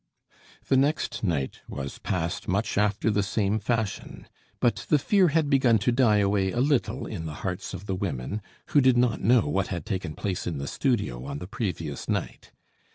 The next night was passed much after the same fashion. But the fear had begun to die away a little in the hearts of the women, who did not know what had taken place in the studio on the previous night.